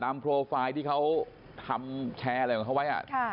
โปรไฟล์ที่เขาทำแชร์อะไรของเขาไว้